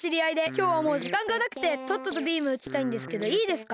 きょうはもうじかんがなくてとっととビームうちたいんですけどいいですか？